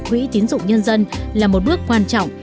quỹ tín dụng nhân dân là một bước quan trọng